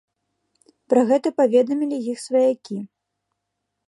Пра гэта паведамілі іх сваякі.